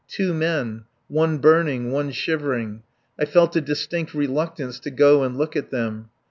Two men. One burning, one shivering. I felt a distinct reluctance to go and look at them.